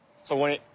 そこに。